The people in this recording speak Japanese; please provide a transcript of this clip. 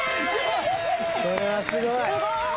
これはすごい！